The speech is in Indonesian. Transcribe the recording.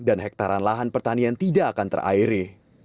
dan hektaran lahan pertanian tidak akan terairi